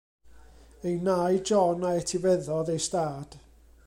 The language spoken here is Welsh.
Ei nai John a etifeddodd ei ystâd.